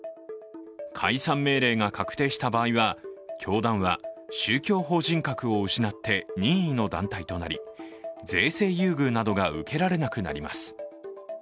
解散命令が確定した場合は、教団は宗教法人格を失って任意の団体となり、税制優遇などが受けられなくなります。